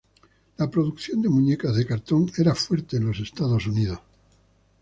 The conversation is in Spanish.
La producción de muñecas de cartón era fuerte en los Estados Unidos.